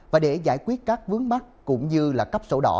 và để giải quyết các vướng mắt cũng như là cấp sổ đỏ